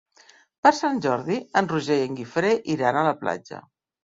Per Sant Jordi en Roger i en Guifré iran a la platja.